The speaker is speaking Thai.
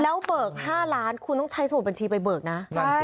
แล้วเบิก๕ล้านคุณต้องใช้สมุดบัญชีไปเบิกนะ